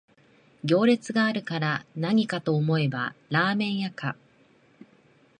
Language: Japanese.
行列があるからなにかと思えばラーメン屋か